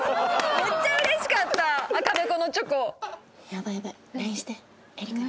めっちゃ嬉しかった赤べこのチョコ！